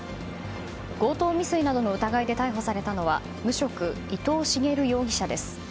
強盗未遂などの疑いで逮捕されたのは無職、伊藤茂容疑者です。